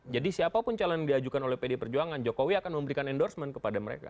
jadi siapapun calon diajukan oleh pdi perjuangan jokowi akan memberikan endorsement kepada mereka